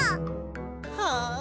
はあ！